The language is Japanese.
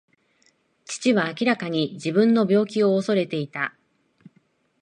父は明らかに自分の病気を恐れていた。